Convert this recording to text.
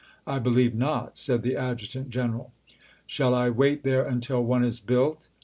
I believe not," said the adjutant general. "Shall I wait there until one is built